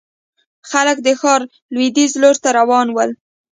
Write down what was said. خلک د ښار لوېديځ لور ته روان ول.